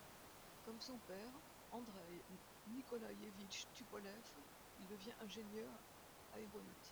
Comme son père Andreï Nikolaïevitch Tupolev, il devint ingénieur aéronautique.